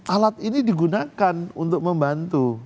alat ini digunakan untuk membantu